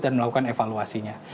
dan melakukan evaluasinya